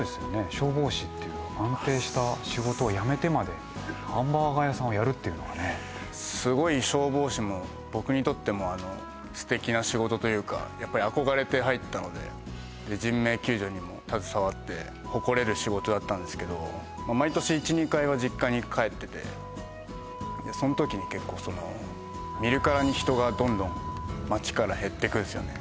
消防士っていう安定した仕事をやめてまでハンバーガー屋さんをやるっていうのがねすごい消防士も僕にとっても素敵な仕事というかやっぱり憧れて入ったので人命救助にも携わって誇れる仕事だったんですけど毎年１２回は実家に帰っててその時に結構見るからに人がどんどん町から減っていくんですよね